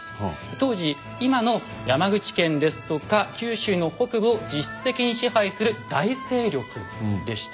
当時今の山口県ですとか九州の北部を実質的に支配する大勢力でした。